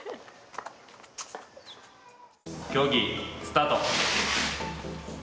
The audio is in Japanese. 競技スタート。